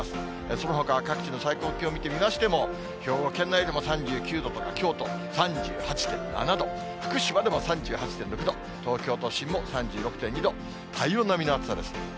そのほかは各地の最高気温見てみましても、兵庫県内でも３９度とか、京都３８．７度、福島でも３８．６度、東京都心も３６．２度、体温並みの暑さです。